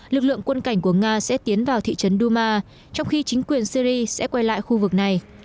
lực lượng quân cảnh của nga sẽ tiến vào thị trấn duma trong khi chính quyền syri sẽ quay lại khu vực này